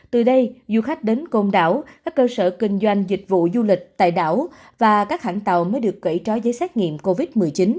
từ đây du khách đến côn đảo các cơ sở kinh doanh dịch vụ du lịch tại đảo và các hãng tàu mới được kể trói giấy xét nghiệm covid một mươi chín